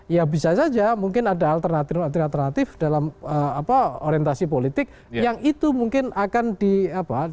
ya bisa saja mungkin ada alternatif alternatif dalam orientasi politik yang itu mungkin akan di apa